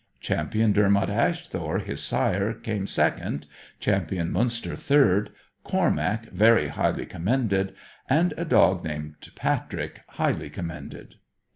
Champion Dermot Asthore, his sire, came second, Champion Munster third, Cormac very highly commended, and a dog called Patrick highly commended.